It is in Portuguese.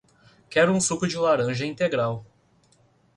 Quero um suco de laranja integral